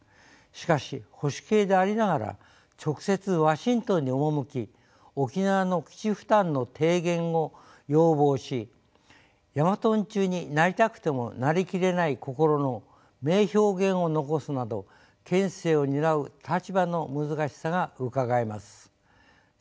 しかし保守系でありながら直接ワシントンに赴き沖縄の基地負担の低減を要望し「ヤマトンチュになりたくてもなりきれない心」の名表現を残すなど県政を担う立場の難しさがうかがえます。